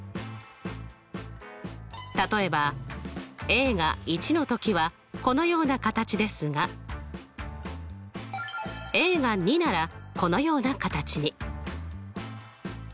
例えばが１の時はこのような形ですがが２ならこのような形に。